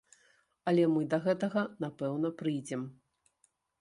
Але мы да гэтага напэўна прыйдзем.